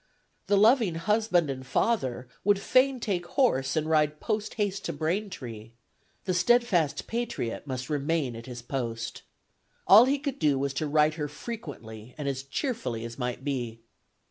The loving husband and father would fain take horse and ride post haste to Braintree; the steadfast patriot must remain at his post. All he could do was to write her frequently and as cheerfully as might be.